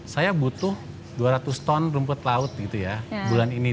saya butuh dua ratus ton rumput laut gitu ya bulan ini